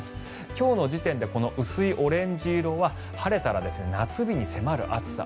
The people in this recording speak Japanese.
今日の時点で薄いオレンジ色は晴れたら夏日に迫る暑さ。